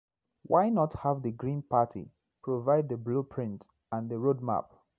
Why not have the Green Party provide the blueprint and the road map?